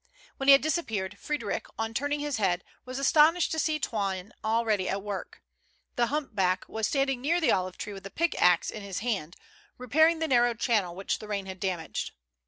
When he had disappeared, Frederic, on turning his head, was astonished to see Toine already at work ; the humpback was standing near the olive tree with a pickaxe in his hand, repairing the narrow channel which the rain had damaged.